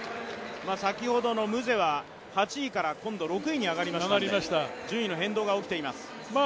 先ほどのムゼは８位から６位に上がりまして順位の変動が起きています。